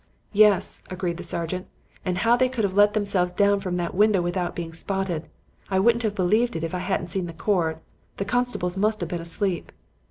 "'Yes,' agreed the sergeant; 'and how they could have let themselves down from that window without being spotted. I wouldn't have believed it if I hadn't seen the cord. The constables must have been asleep.'